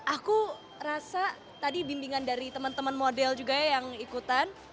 aku rasa tadi bimbingan dari teman teman model juga yang ikutan